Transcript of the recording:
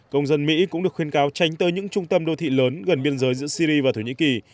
công dân mỹ cũng được khuyên cáo tránh tới những trung tâm đô thị lớn gần biên giới giữa syri và thổ nhĩ kỳ